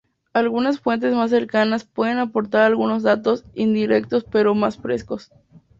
Algunas fuentes más cercanas pueden aportar algunos datos indirectos pero más frescos.